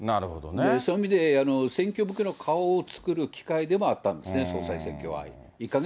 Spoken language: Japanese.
そういう意味で、選挙の顔を作る選挙でもあったんですね、総裁選挙は。